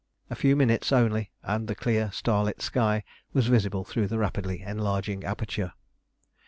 A few minutes only and the clear starlit sky was visible through the rapidly enlarging aperture.